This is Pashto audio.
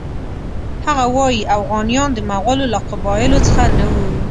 هغه وایي اوغانیان د مغولو له قبایلو څخه نه وو.